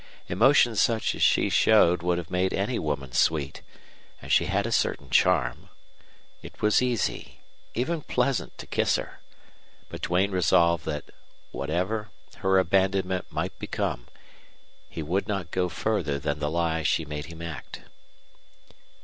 Emotion such as she showed would have made any woman sweet, and she had a certain charm. It was easy, even pleasant, to kiss her; but Duane resolved that, whatever her abandonment might become, he would not go further than the lie she made him act.